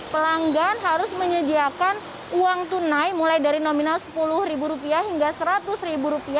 pelanggan harus menyediakan uang tunai mulai dari nominal rp sepuluh hingga rp seratus